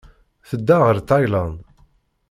Tedda ɣer Tayland.